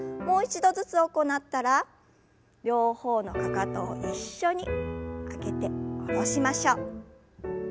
もう一度ずつ行ったら両方のかかとを一緒に上げて下ろしましょう。